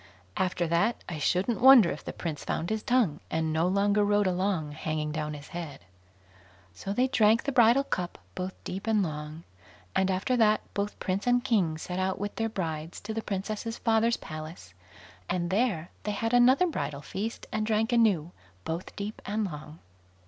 After that, I shouldn't wonder if the Prince found his tongue, and no longer rode along hanging down his head. So they drank the bridal cup both deep and long, and, after that, both Prince and King set out with their brides to the Princess's father's palace, and there they had another bridal feast, and drank anew, both deep and long.